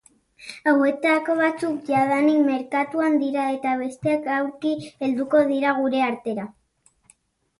Hauetako batzuk jadanik merkatuan dira eta besteak aurki helduko dira gure artera.